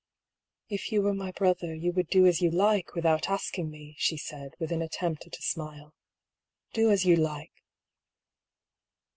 " If you were my brother, you would do as you like without asking me," she said, with an attempt at a smile. " Do as you like."